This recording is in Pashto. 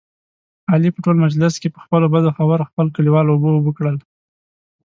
علي په ټول مجلس کې، په خپلو بدو خبرو خپل کلیوال اوبه اوبه کړل.